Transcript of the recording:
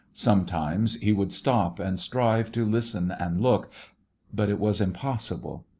Sometimes he would stop and strive to listen and look, but it was impossible.